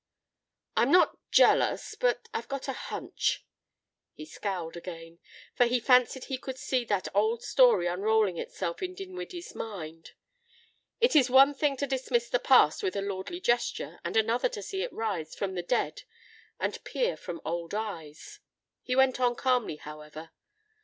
"I'm not jealous, but I've got a hunch." He scowled again, for he fancied he could see that old story unrolling itself in Dinwiddie's mind. It is one thing to dismiss the past with a lordly gesture and another to see it rise from the dead and peer from old eyes. He went on calmly, however.